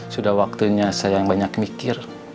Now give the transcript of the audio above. sudah waktunya saya yang banyak mikir